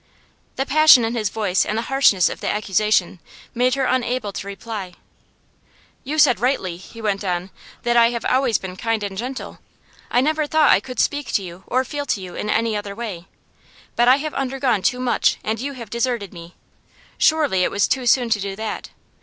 The passion in his voice and the harshness of the accusation made her unable to reply. 'You said rightly,' he went on, 'that I have always been kind and gentle. I never thought I could speak to you or feel to you in any other way. But I have undergone too much, and you have deserted me. Surely it was too soon to do that.